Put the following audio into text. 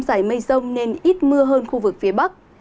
giải mây rông nên ít mưa hơn khu vực phía bắc